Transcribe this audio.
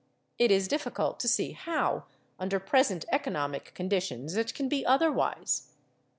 It is difficult to see how, under present economic conditions, it can be otherwise.